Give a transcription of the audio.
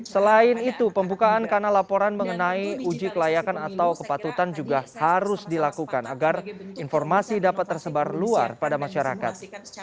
selain itu pembukaan kanal laporan mengenai uji kelayakan atau kepatutan juga harus dilakukan agar informasi dapat tersebar luar pada masyarakat